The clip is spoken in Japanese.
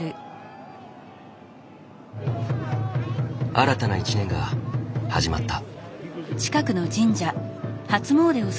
新たな一年が始まった。